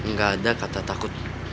gak ada kata takut